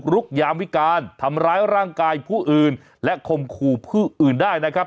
แล้วร่างกายผู้อื่นและคมคู่ผู้อื่นได้นะครับ